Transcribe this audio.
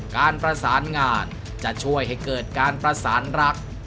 การประสานงานจะช่วยให้เกิดการประสานรัก